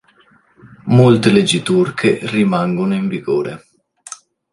Molte leggi turche rimangono in vigore.